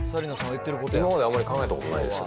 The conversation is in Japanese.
今まであんまり考えたことないです。